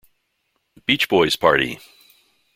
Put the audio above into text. Beach Boys' Party!